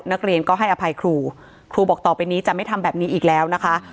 นักเรียนก็ให้อภัยครูครูบอกต่อไปนี้จะไม่ทำแบบนี้อีกแล้วนะคะ